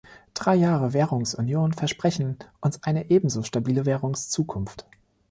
Drei Jahre Währungsunion versprechen uns eine ebenso stabile Währungszukunft.